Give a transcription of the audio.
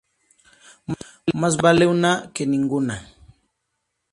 Más vale una que ninguna